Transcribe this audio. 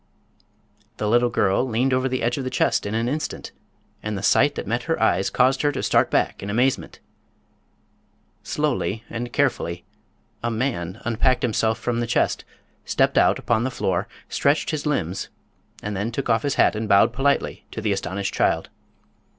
The little girl leaned over the edge of the chest an instant, and the sight that met her eyes caused her to start back in amazement. Slowly and carefully a man unpacked himself from the chest, stepped out upon the floor, stretched his limbs and then took off his hat and bowed politely to the astonished child.